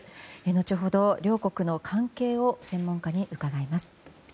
後ほど、両国の関係を専門家に伺います。